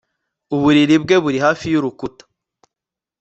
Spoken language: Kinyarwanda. Uburiri bwe buri hafi yurukuta